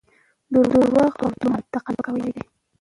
درواغ او تهمت د قلم سپکاوی دی.